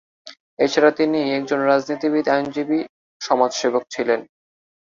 এছাড়া তিনি একজন রাজনীতিবিদ, আইনজীবী, সমাজসেবক ছিলেন।